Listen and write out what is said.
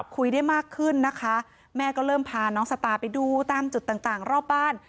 คุยได้มากขึ้นนะคะแม่ก็เริ่มพาน้องสตาร์ไปดูตามจุดต่างรอบบ้าน